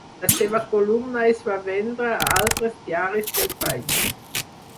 La seva columna es va vendre a altres diaris del país.